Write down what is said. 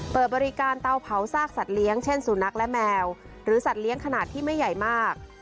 เปิดบริการเตาเผาซากสัตว์เลี้ยงเช่นสุนัขและแมวหรือสัตว์เลี้ยงขนาดที่ไม่ใหญ่มาก